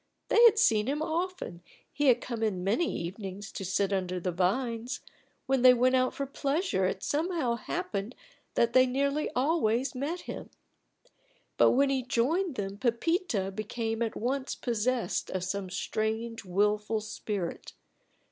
They had seen him often he had come in many evenings to sit under the vines; when they went out for pleasure it somehow happened that they nearly always met him; but when he joined them Pepita became at once possessed of some strange wilful spirit.